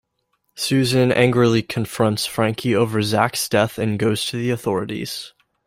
Susan angrily confronts Frankie over Zack's death and goes to the authorities.